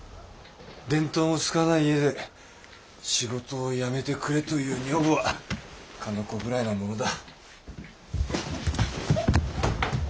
電灯もつかない家で仕事をやめてくれという女房はかの子ぐらいなものだ。